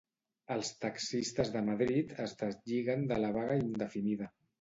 Els taxistes de Madrid es deslliguen de la vaga indefinida.